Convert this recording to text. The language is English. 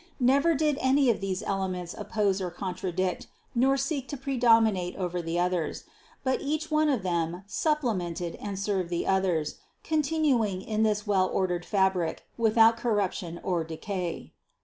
Never did any of these elements oppose or contradict nor seek to predominate over the others, but each one of them sup plemented and served the others, continuing in this well ordered fabric without corruption or decay.